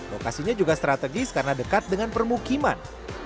lokasinya juga strategis karena dekat dengan permukiman